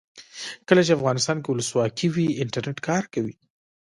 کله چې افغانستان کې ولسواکي وي انټرنیټ کار کوي.